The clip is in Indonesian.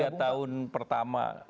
dalam tiga tahun pertama itu kita berkumpul